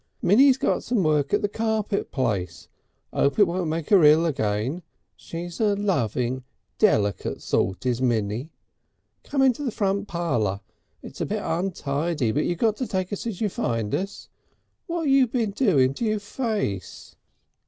Minnie's got some work at the carpet place. 'Ope it won't make 'er ill again. She's a loving deliket sort, is Minnie.... Come into the front parlour. It's a bit untidy, but you got to take us as you find us. Wot you been doing to your face?"